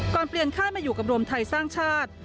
ก่อนเปลี่ยนค่ายมาอยู่กับรวมไทยสร้างชาติ